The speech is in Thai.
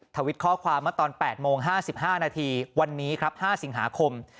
ทวิตข้อความเมื่อตอนแปดโมงห้าสิบห้านาทีวันนี้ครับห้าสิงหาคม